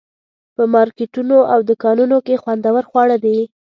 په مارکیټونو او دوکانونو کې خوندور خواړه دي.